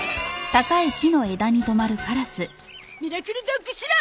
ミラクルドッグ・シロ！